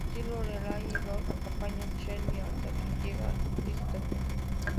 Así, Lorelai y Rory acompañan a Sherry hasta que llega Christopher.